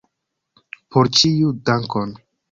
Por ĉiuj, dankon!